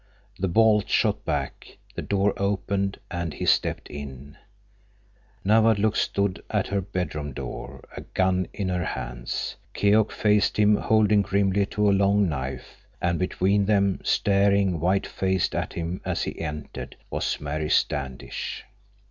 The bolt shot back, the door opened, and he stepped in. Nawadlook stood at her bedroom door, a gun in her hands. Keok faced him, holding grimly to a long knife, and between them, staring white faced at him as he entered, was Mary Standish.